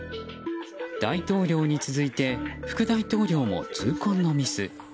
大統領に続いて副大統領も痛恨のミス。